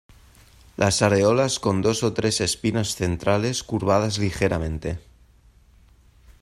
Las areolas con dos o tres espinas centrales curvadas ligeramente.